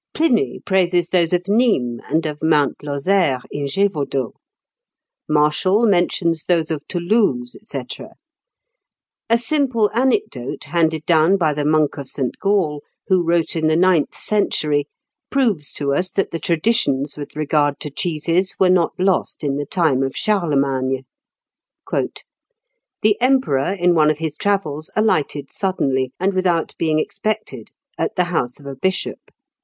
Pliny praises those of Nismes, and of Mount Lozère, in Gévaudau; Martial mentions those of Toulouse, &c. A simple anecdote, handed down by the monk of St. Gall, who wrote in the ninth century, proves to us that the traditions with regard to cheeses were not lost in the time of Charlemagne: "The Emperor, in one of his travels, alighted suddenly, and without being expected, at the house of a bishop.